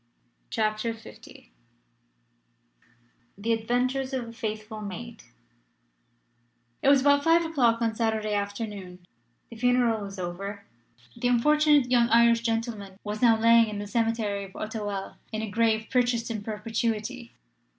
CHAPTER LV THE ADVENTURES OF A FAITHFUL MAID IT was about five o'clock on Saturday afternoon. The funeral was over. The unfortunate young Irish gentleman was now lying in the cemetery of Auteuil in a grave purchased in perpetuity.